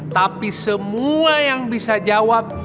tapi semua yang bisa jawab